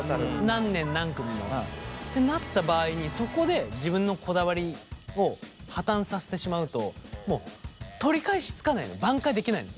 何年何組のってなった場合にそこで自分のこだわりを破綻させてしまうともう取り返しつかないの挽回できないの。